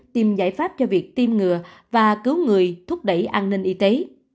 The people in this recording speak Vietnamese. tìm giải pháp cho việc tiêm ngừa và cứu người thúc đẩy an ninh y tế